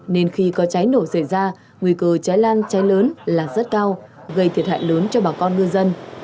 nên khi có cháy nổ xảy ra nguy cơ cháy lan cháy lớn là rất cao gây thiệt hại lớn cho bà con ngư dân